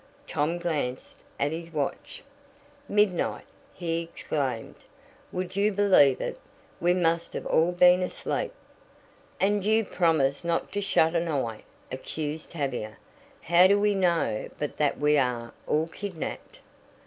Tom glanced at his watch. "Midnight!" he exclaimed. "Would you believe it? We must have all been asleep." "And you promised not to shut an eye?" accused Tavia. "How do we know but that we are all kidnapped?"